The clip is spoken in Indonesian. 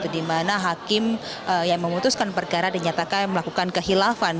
di mana hakim yang memutuskan perkara dinyatakan melakukan kehilafan